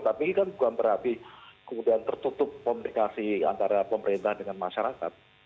tapi ini kan bukan berarti kemudian tertutup komunikasi antara pemerintah dengan masyarakat